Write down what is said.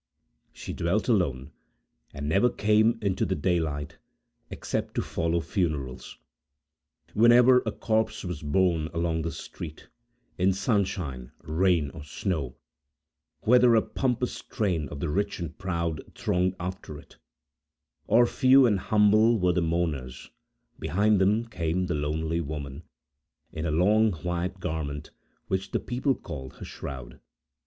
She dwelt alone, and never came into the daylight, except to follow funerals. Whenever a corpse was borne along the street, in sunshine, rain, or snow, whether a pompous train, of the rich and proud, thronged after it, or few and humble were the mourners, behind them came the lonely woman, in a long, white garment, which the people called her shroud.